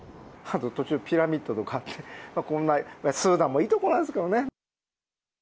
途中、ピラミッドとかあって、こんなスーダンもいいとこなんですけどね。